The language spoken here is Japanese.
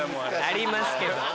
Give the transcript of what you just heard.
ありますけど。